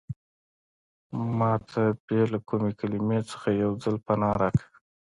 ما ته بې له کومې کلمې څخه یو ځل پناه راکړه.